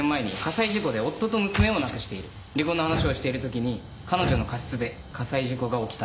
離婚の話をしているときに彼女の過失で火災事故が起きたんですよ。